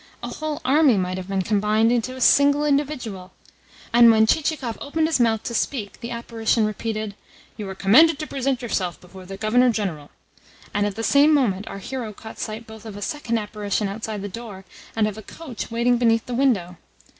A whole army might have been combined into a single individual! And when Chichikov opened his mouth to speak the apparition repeated, "You are commanded to present yourself before the Governor General," and at the same moment our hero caught sight both of a second apparition outside the door and of a coach waiting beneath the window.